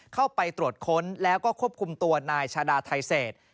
เข้าไปตรวจค้นแล้วก็ควบคุมตัวนายชาดาไทเศษ